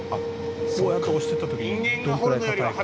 「こうやって押していった時にどのくらい硬いか」